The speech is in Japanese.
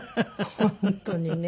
本当にね。